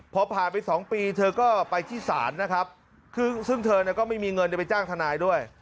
พอผ่านไป๒ปีเธอก็ไปที่ศาลนะครับซึ่งเธอเนี่ยก็ไม่มีเงินจะไปจ้างทนายด้วย